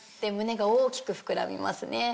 胸が大きく膨らみますね。